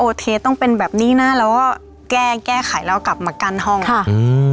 โอเคต้องเป็นแบบนี้นะแล้วก็แก้แก้ไขแล้วกลับมากั้นห้องค่ะอืม